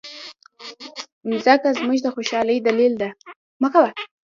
مځکه زموږ د خوشالۍ دلیل ده.